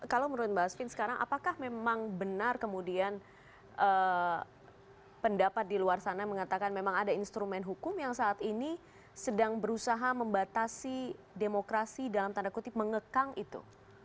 kalau menurut mbak asvin sekarang apakah memang benar kemudian pendapat di luar sana mengatakan memang ada instrumen hukum yang saat ini sedang berusaha membatasi demokrasi dalam tanda kutip mengekang itu